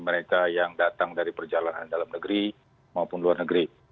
mereka yang datang dari perjalanan dalam negeri maupun luar negeri